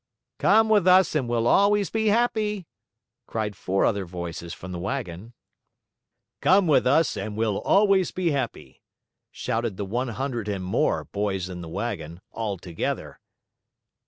"Come with us and we'll always be happy," cried four other voices from the wagon. "Come with us and we'll always be happy," shouted the one hundred and more boys in the wagon, all together.